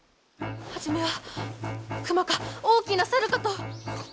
初めは熊か大きな猿かと。